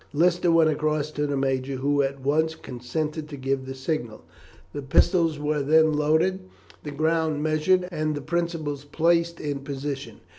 Lister went across to the major, who at once consented to give the signal. The pistols were then loaded, the ground measured, and the principals placed in position.